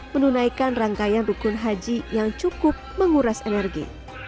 menunaikan rangkaian rukun haji yang cukup menguras energi